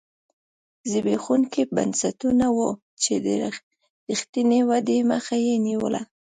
زبېښونکي بنسټونه وو چې د رښتینې ودې مخه یې نیوله.